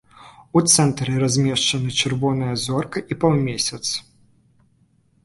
У цэнтры размешчаны чырвоная зорка і паўмесяц.